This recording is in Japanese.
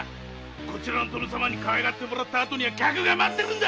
この殿様にかわいがってもらったら客が待ってるんだ。